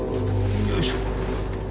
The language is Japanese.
よいしょ。